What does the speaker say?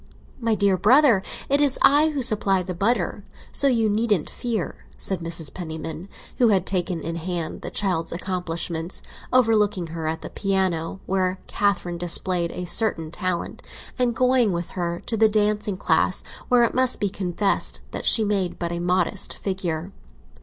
My dear brother, it is I who supply the butter; so you needn't fear!" said Mrs. Penniman, who had taken in hand the child's accomplishments, overlooking her at the piano, where Catherine displayed a certain talent, and going with her to the dancing class, where it must be confessed that she made but a modest figure.